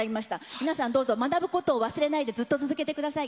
皆さん、どうぞ学ぶことを忘れないでずっと続けてください。